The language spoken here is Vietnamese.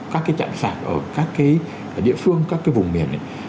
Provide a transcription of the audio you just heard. các cái chạm sạc ở các cái địa phương các cái vùng miền